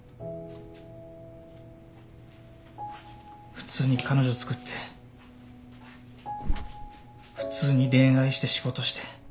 普通に彼女つくって普通に恋愛して仕事して。